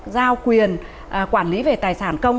giao quyền quản lý về tài sản công